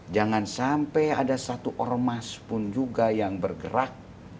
jangan sampai ada satu ormas pun juga yang bergerak